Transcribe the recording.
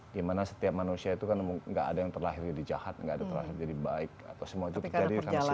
di mana setiap manusia itu kan gak ada yang terlahir jadi jahat gak ada yang terlahir jadi baik atau semua itu terjadi karena situasional